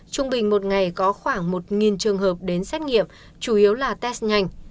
trung bình một ngày có khoảng một trường hợp đến xét nghiệm chủ yếu là test nhanh